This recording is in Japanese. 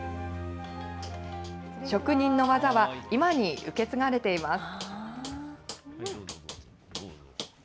職人の技は今に受け継がれています。